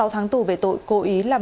sáu tháng tù về tội cố ý làm